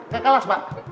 ke kelas pak